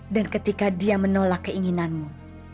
dan ketika dia menolak keinginanmu